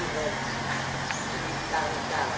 สวัสดีครับ